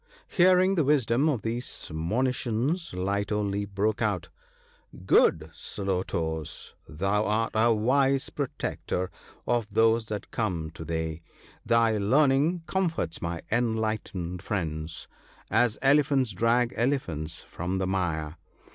Hearing the wisdom of these monitions, Light o' Leap broke out, " Good Slow toes ! thou art a wise protector of those that come to thee ; thy learning comforts my enlightened friend, as elephants drag elephants from the mire."